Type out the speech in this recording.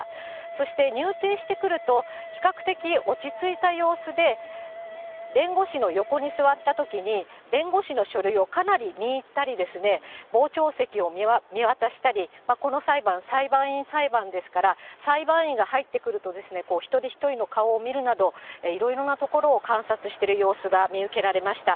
そして入廷してくると、比較的落ち着いた様子で弁護士の横に座ったときに、弁護士の書類をかなり見入ったりですね、傍聴席を見渡したり、この裁判、裁判員裁判ですから、裁判員が入ってくるとですね、一人一人の顔を見るなど、いろいろなところを観察している様子が見受けられました。